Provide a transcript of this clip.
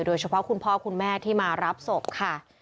โดยเฉพาะคุณพ่อคุณแม่ที่มารับศพค่ะ